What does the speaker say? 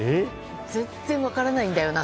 全然分からないんだよな